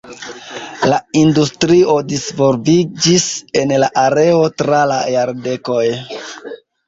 La industrio disvolviĝis en la areo tra la jardekoj.